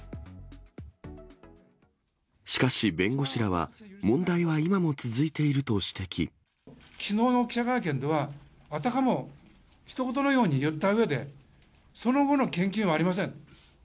しかし、弁護士らは、きのうの記者会見では、あたかも、ひと事のように言ったうえで、その後の献金はありません。